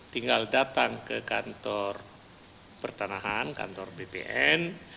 tinggal datang ke kantor pertanahan kantor bpn